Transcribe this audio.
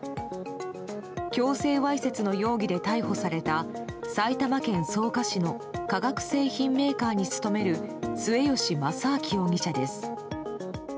強制わいせつの容疑で逮捕された埼玉県草加市の化学製品メーカーに勤める末吉正明容疑者です。